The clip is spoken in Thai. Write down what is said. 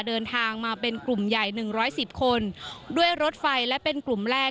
เดินทางมาเป็นกลุ่มใหญ่๑๑๐คนด้วยรถไฟและเป็นกลุ่มแรก